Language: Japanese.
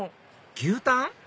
牛タン？